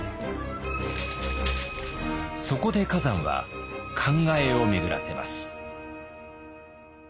そこで崋山は考えを巡らせます。